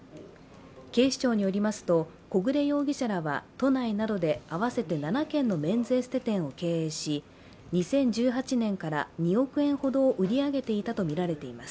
警視庁によりますと小暮容疑者らは都内などで合わせて７軒のメンズエステ店を経営し２０１８年から２億円ほどを売り上げていたとみられています。